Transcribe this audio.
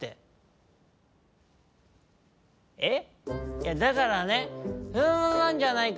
いやだからねなんじゃないかって。